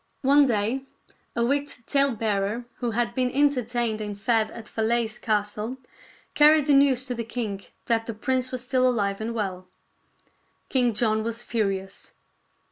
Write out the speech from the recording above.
One day a wicked talebearer who had been entertained and fed at Falaise Castle carried the news to the king that the prince was still alive and well. King John was furious.